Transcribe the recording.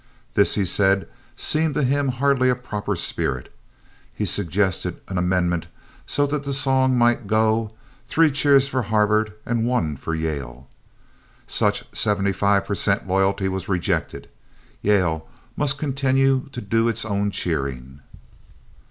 This, he said, seemed to him hardly a proper spirit. He suggested an amendment so that the song might go, "Three cheers for Harvard and one for Yale." Such seventy five percent loyalty was rejected. Yale must continue to do its own cheering.